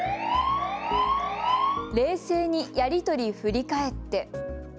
冷静にやり取り振り返って。